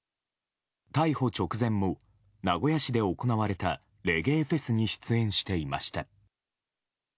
逮捕直前も名古屋市で行われたレゲエフェスに出演していました。